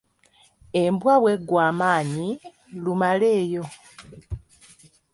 Embwa bwe ggwa amaanyi, Lumaleeyo.